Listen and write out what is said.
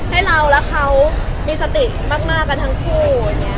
ให้เราและเขามีสติมากกันทั้งคู่